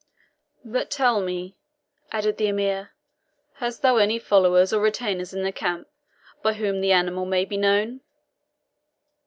"But tell me," added the Emir, "hast thou any followers or retainers in the camp by whom the animal may be known?"